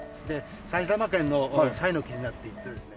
埼玉県の彩のきずなっていってですね。